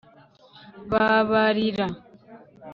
babarira